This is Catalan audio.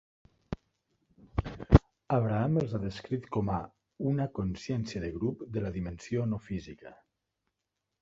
Abraham els ha descrit com a "una consciència de grup de la dimensió no física".